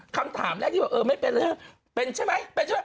คำถามแรกที่บอกเออไม่เป็นแล้วเป็นใช่ไหมเป็นใช่ไหม